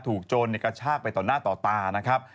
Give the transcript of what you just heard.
โจรกระชากไปต่อหน้าต่อตานะครับ